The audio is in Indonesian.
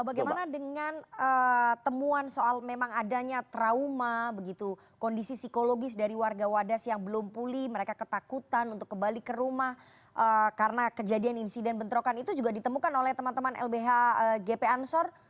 bagaimana dengan temuan soal memang adanya trauma begitu kondisi psikologis dari warga wadas yang belum pulih mereka ketakutan untuk kembali ke rumah karena kejadian insiden bentrokan itu juga ditemukan oleh teman teman lbh gp ansor